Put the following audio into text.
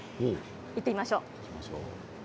行ってみましょう。